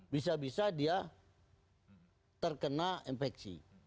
bisa bisa dia terkena infeksi